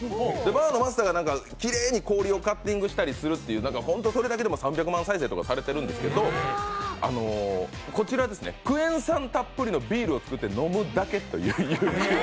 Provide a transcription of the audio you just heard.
バーのマスターがきれいに氷をカッティングするだけという、ホントそれだけでも３００万再生とかされているんですけど、「クエン酸たっぷりのビールを作って飲むだけ」というＹｏｕＴｕｂｅ。